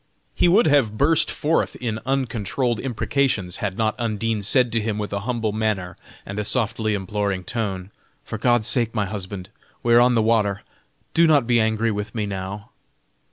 He would have burst forth in uncontrolled imprecations had not Undine said to him with a humble manner and a softly imploring tone: "For God's sake, my husband, we are on the water, do not be angry with me now."